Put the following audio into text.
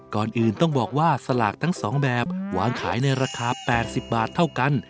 ก่อนอื่นต้องบอกว่าสลากทั้ง๒แบบวางขายในราคา๘๐บาทเท่ากัน